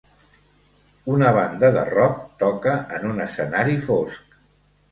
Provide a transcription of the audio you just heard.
Una banda de rock toca en un escenari fosc.